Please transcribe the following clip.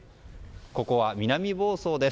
ここは南房総です。